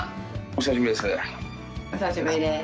お久しぶりです。